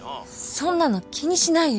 そんなの気にしないよ。